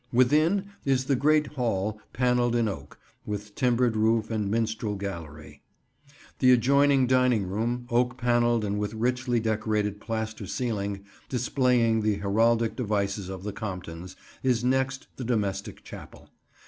Within is the Great Hall, panelled in oak, with timbered roof and minstrel gallery. The adjoining dining room, oak panelled and with richly decorated plaster ceiling, displaying the heraldic devices of the Comptons, is next the domestic chapel.